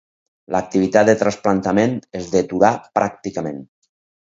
L'activitat de trasplantament es deturà pràcticament.